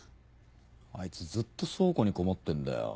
あいつずっと倉庫にこもってんだよ。